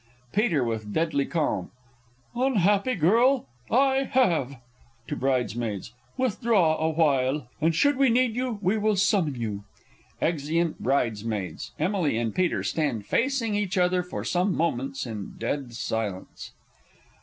Peter (with deadly calm). Unhappy girl I have! (To Bridesmaids.) Withdraw awhile, And should we need you, we will summon you. [Exeunt Bridesmaids; EMILY and PETER _stand facing each other for some moments in dead silence.